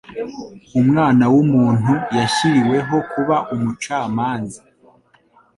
Umwana w’umuntu yashyiriweho kuba umucamanza